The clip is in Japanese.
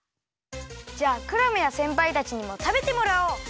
じゃあクラムやせんぱいたちにもたべてもらおう！